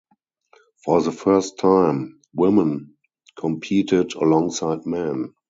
For the first time, women competed alongside men.